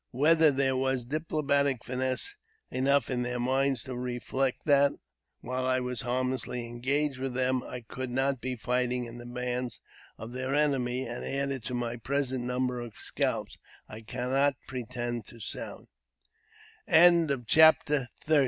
Whether there was diplomatic finesse enough in their minds to reflect that, while I was harmlessly engaged with them, I could not be fighting in the bands of their enemies, and adding to my present number of scalps, I cannot prete